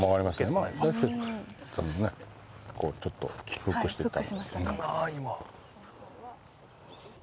まあ大輔さんもねこうちょっとフックしてるから。